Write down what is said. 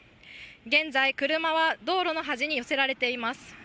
現在、車は道路の端に寄せられています。